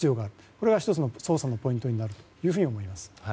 これは１つの捜査のポイントになると思います。